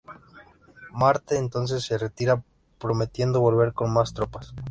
Marte entonces se retira, prometiendo volver con más tropas.